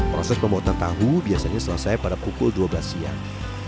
proses pembuatan tahu biasanya selesai pada pukul dua belas siang